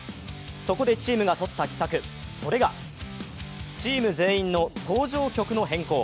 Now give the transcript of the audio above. そこでチームが取った奇策、それがチーム全員の登場曲の変更。